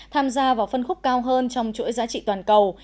tham gia vào phân khúc cao hơn trong chuỗi giá trị toàn cầu